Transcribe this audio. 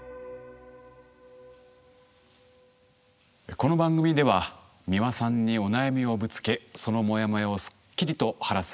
この番組では美輪さんにお悩みをぶつけそのモヤモヤをすっきりと晴らすヒントを頂きます。